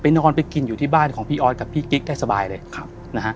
นอนไปกินอยู่ที่บ้านของพี่ออสกับพี่กิ๊กได้สบายเลยครับนะฮะ